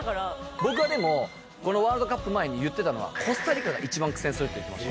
僕はでも、このワールドカップ前に言ってたのは、コスタリカが一番苦戦するって言ってました。